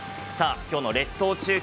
今日の列島中継